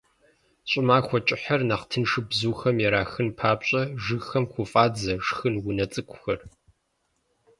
ЩӀымахуэ кӀыхьыр нэхъ тыншу бзухэм ирахын папщӀэ, жыгхэм хуфӀадзэ шхын унэ цӀыкӀухэр.